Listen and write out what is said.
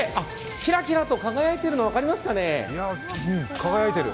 キラキラと輝いているのが分かりますかね。